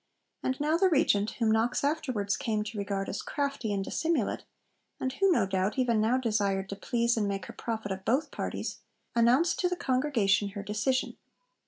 And now the Regent, whom Knox afterwards came to regard as 'crafty and dissimulate,' and who, no doubt, even now desired to please and 'make her profit of both parties,' announced to the Congregation her decision.